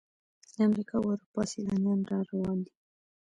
د امریکا او اروپا سیلانیان را روان دي.